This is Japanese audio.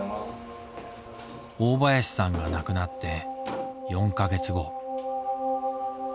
大林さんが亡くなって４か月後。